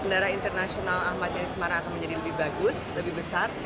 bandara internasional ahmad yani semarang akan menjadi lebih bagus lebih besar